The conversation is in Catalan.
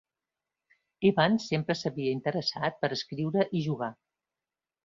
Evans sempre s'havia interessat per escriure i jugar.